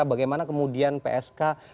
bagaimana kemudian psk